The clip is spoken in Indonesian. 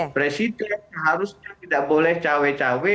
presiden seharusnya tidak boleh cawe cawe